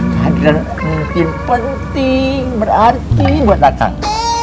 kehadiran entin penting berarti buat akang